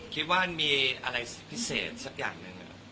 คิดว่ามีอะไรพิเศษสักอย่างหนึ่ง